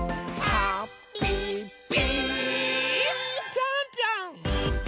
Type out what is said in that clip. ぴょんぴょん！